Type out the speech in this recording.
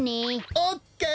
オッケー！